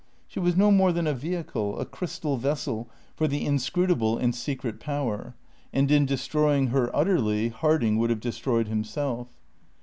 She was no more than a vehicle, a crystal vessel for the inscrutable and secret power, and in destroying her utterly Harding would have destroyed himself.